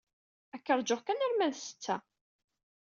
Ad k-ṛjuɣ kan arma d ssetta.